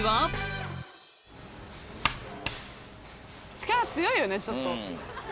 力強いよねちょっと。